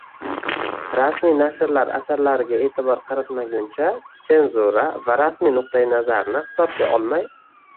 Rasmiy nashrlar asarlariga e’tibor qaratmaguncha, senzura va rasmiy nuqtai nazarni hisobga olmay